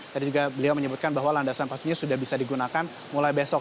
tadi juga beliau menyebutkan bahwa landasan patunya sudah bisa digunakan mulai besok